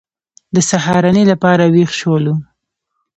د سهارنۍ لپاره وېښ شولو.